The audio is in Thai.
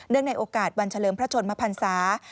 เนื่องในโอกาสวัญชะเลิมพระชนมภัณฑ์ศาสตร์